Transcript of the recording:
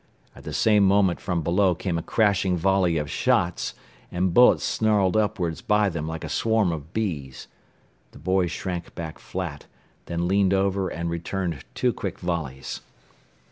At the same moment from below came a crashing volley of shots, and bullets snarled upward by them like a swarm of bees. The boys shrank back flat, then leaned over and returned two quick volleys.